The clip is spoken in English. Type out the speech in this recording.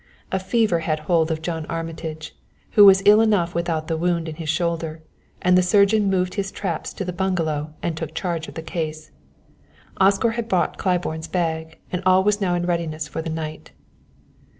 A fever had hold of John Armitage, who was ill enough without the wound in his shoulder, and the surgeon moved his traps to the bungalow and took charge of the case. Oscar had brought Claiborne's bag, and all was now in readiness for the night.